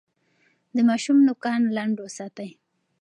د ماشوم نوکان لنډ وساتئ.